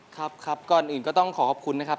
ครับครับก่อนอื่นก็ต้องขอขอบคุณนะครับ